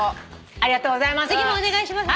ありがとうございます。